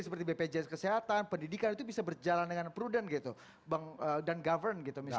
seperti bpjs kesehatan pendidikan itu bisa berjalan dengan prudent gitu dan govern gitu misalnya